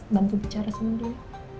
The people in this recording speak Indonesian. bantu bicara sama dia